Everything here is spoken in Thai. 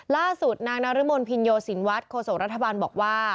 ล่าสุดนางนรมนภินโยสินวัฒน์โฆษกรัฐบาลบอกว่า